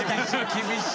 厳しい。